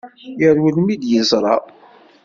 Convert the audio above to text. Yerwel mi yi-d-yeẓra.